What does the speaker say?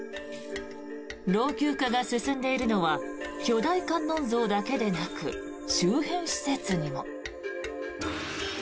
老朽化が進んでいるのは巨大観音像だけでなく周辺施設にも。